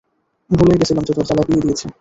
ভুলেই গেছিলাম যে দরজা লাগিয়ে দিয়েছি।